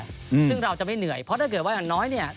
ซึ่งเราจะไม่เหนื่อยเพราะถ้าเกิดว่าอย่างน้อยเนี่ย